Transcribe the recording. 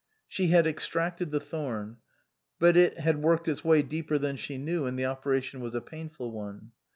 She had extracted the thorn ; but it had worked its way deeper than she knew, and the operation was a painful one.